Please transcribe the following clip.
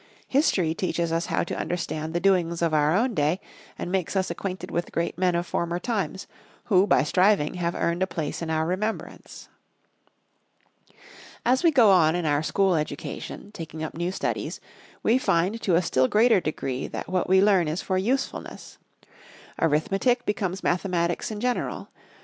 History teaches us how to understand the doings of our own day and makes us acquainted with great men of former times, who by striving have earned a place in our remembrance. As we go on in our school education, taking up new studies, we find to a still greater degree that what we learn is for usefulness. Arithmetic becomes mathematics in general.